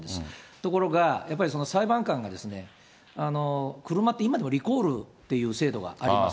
ところが、やっぱり裁判官が、車って、今でもリコールって制度があります。